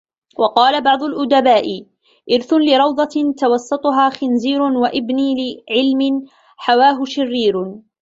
وَقَالَ بَعْضُ الْأُدَبَاءِ إرْثِ لِرَوْضَةٍ تَوَسَّطَهَا خِنْزِيرٌ ، وَابْكِ لِعِلْمٍ حَوَاهُ شِرِّيرٌ